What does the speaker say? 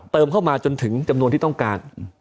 เข้ามาจนถึงจำนวนที่ต้องการ